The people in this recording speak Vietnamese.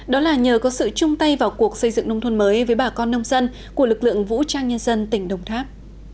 đó là nhờ có sự chung tay vào cuộc xây dựng nông thôn mới với bà con nông dân của lực lượng vũ trang nhân dân tỉnh đồng tháp